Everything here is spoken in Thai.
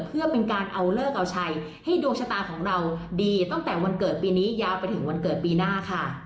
เพื่อเป็นการเอาเลิกเอาชัยให้ดวงชะตาของเราดีตั้งแต่วันเกิดปีนี้ยาวไปถึงวันเกิดปีหน้าค่ะ